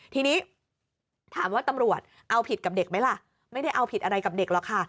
ทีนี้ถามว่าตำรวจเอาผิดกับเด็กไหมล่ะไม่ได้เอาผิดอะไรกับเด็กหรอกค่ะ